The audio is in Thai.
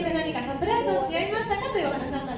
เวลาดูคุณก็อยากเซอร์ไพรซ์เหมือนกัน